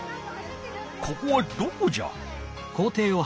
ここはどこじゃ？